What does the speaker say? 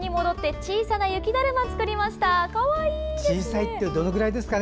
小さいってどのぐらいですかね。